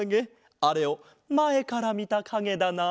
あれをまえからみたかげだな。